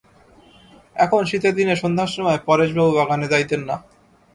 এখন শীতের দিনে সন্ধ্যার সময় পরেশবাবু বাগানে যাইতেন না।